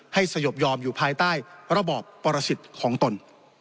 สยบยอมอยู่ภายใต้ระบอบปรสิทธิ์ของตน